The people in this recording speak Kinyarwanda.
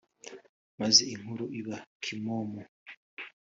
maze inkuru iba kimomo